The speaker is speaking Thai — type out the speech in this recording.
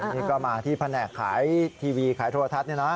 นี่ก็มาที่แผนกขายทีวีขายโทรทัศน์นี่นะ